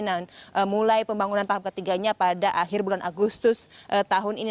dan mulai pembangunan tahap ketiganya pada akhir bulan agustus tahun ini